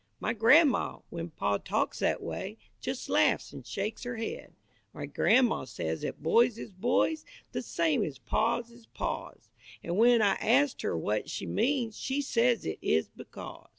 My grandma, when pa talks that way, Just laughs an' shakes her head. My grandma says 'at boys is boys, The same as pas is pas, An' when I ast her what she means She says it is "because."